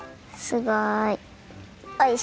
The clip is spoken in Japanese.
すごい！